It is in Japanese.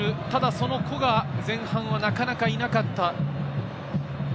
ただ、その個が前半はなかなかいなかった。